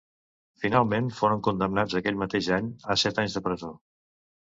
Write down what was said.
Finalment, foren condemnats, aquell mateix any, a set anys de presó.